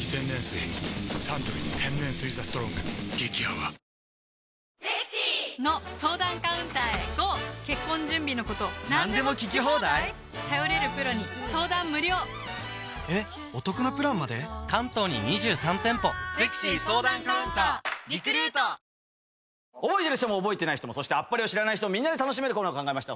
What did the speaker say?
サントリー天然水「ＴＨＥＳＴＲＯＮＧ」激泡覚えてる人も覚えてない人もそして『あっぱれ』を知らない人もみんなで楽しめるコーナーを考えました。